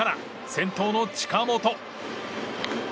先頭の近本。